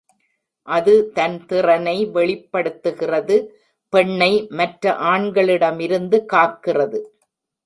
அது தன் திறனை வெளிப்படுத்துகிறது, பெண்ணை மற்ற ஆண்களிடமிருந்து காக்கிறது.